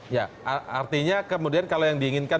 ya artinya kemudian kalau yang diinginkan